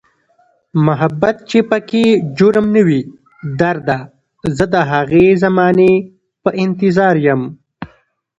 محبت چې پکې جرم نه وي درده، زه د هغې زمانې په انتظاریم